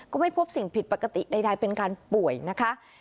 ก็ไม่พบสิ่งผิดปกติใดเป็นการป่วยนะคะ